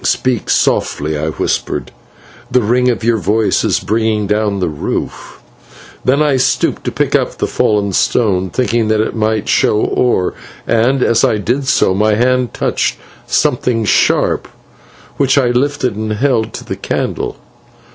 "Speak softly," I whispered, "the ring of your voice is bringing down the roof." Then I stooped to pick up the fallen stone, thinking that it might show ore, and, as I did so, my hand touched something sharp, which I lifted and held to the candle.